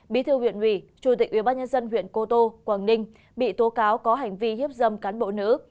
bí thư huyện ủy chủ tịch ubnd huyện cô tô quảng ninh bị tố cáo có hành vi hiếp dâm cán bộ nữ